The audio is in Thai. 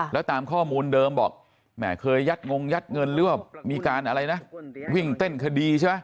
แล้วตามข้อมูลเดิมบอกแม่เคยยัดงงยัดเงินหรือว่ามีการอะไรนะวิ่งเต้นคดีใช่ไหม